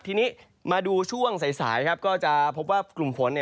ทีนี้มาดูช่วงสายก็จะพบว่ากลุ่มฝน